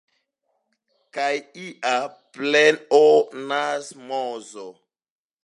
Kaj ia pleonasmozo.